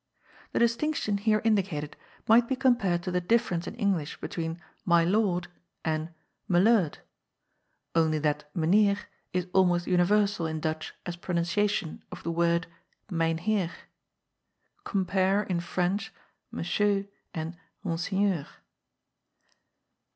The distinction, here indicated, might be compared tp the difference in English between " My Lord " and " Me Lud," only that Meneer is almost universal in Dutch as pro nunciation of the word Mynheer. Compare, in French, M'sieu and Monsiegneur.